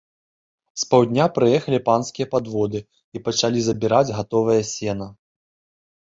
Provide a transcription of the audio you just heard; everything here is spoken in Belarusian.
З паўдня прыехалі панскія падводы і пачалі забіраць гатовае сена.